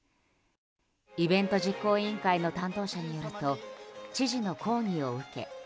イベント実行委員会の担当者によると知事の抗議を受け